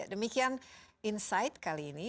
demikian insight kali ini